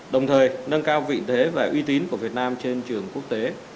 đồng thời nâng cao vị thế và uy tín của việt nam trên trường quốc tế